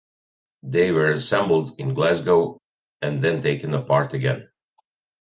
They were assembled in Glasgow and then taken apart again.